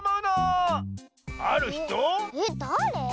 えっだれ？